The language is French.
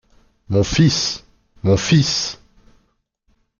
Mon fils! mon fils !